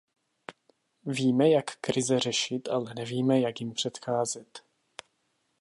Víme, jak krize řešit, ale nevíme, jak jim předcházet.